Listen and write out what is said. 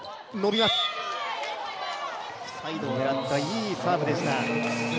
サイドを狙ったいいサーブでした。